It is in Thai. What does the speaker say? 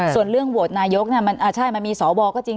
ส่วนเรื่องโหวตนายกใช่มันมีสวก็จริง